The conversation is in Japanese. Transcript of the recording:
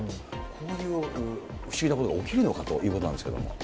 こういう不思議なことが起きるのかということなんですけど。